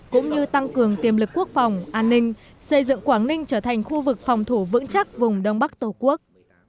cũng như tăng cường tiềm lực quốc phòng an ninh xây dựng quảng ninh trở thành khu vực phòng thủ vững chắc vùng đông bắc tổ quốc